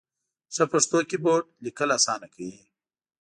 ښه پښتو کېبورډ ، لیکل اسانه کوي.